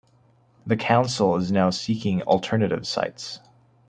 The council is now seeking alternative sites.